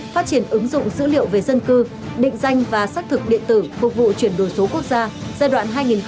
phát triển ứng dụng dữ liệu về dân cư định danh và xác thực điện tử phục vụ chuyển đổi số quốc gia